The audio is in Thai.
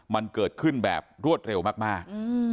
มันเกิดขึ้นแบบรวดเร็วมาก